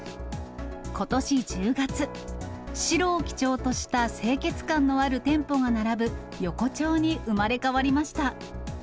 ことし１０月、白を基調とした清潔感のある店舗が並ぶ、横町に生まれ変わりました。